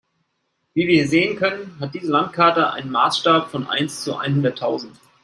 Wie wir hier sehen können, hat diese Landkarte einen Maßstab von eins zu einhunderttausend.